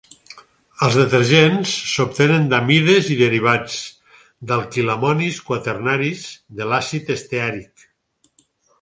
Els detergents s'obtenen d'amides i derivats d'alquilamonis quaternaris de l'àcid esteàric.